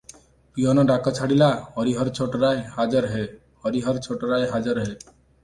Peon ଡାକ ଛାଡ଼ିଲା, "ହରିହର ଛୋଟରାୟ ହାଜର ହେ- ହରିହର ଛୋଟରାୟ ହାଜର ହେ!"